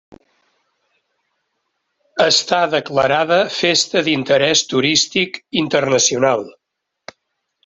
Està declarada Festa d'Interès Turístic Internacional.